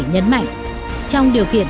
nhấn mạnh trong điều kiện